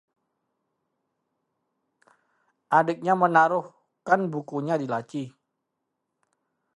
adiknya menaruhkan bukunya di laci